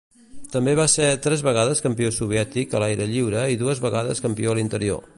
També va ser tres vegades campió soviètic a l'aire lliure i dues vegades campió a l'interior.